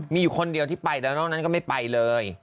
มีอยู่คนเดียวที่ไปแต่นอกนั้นก็ไม่ไปเลย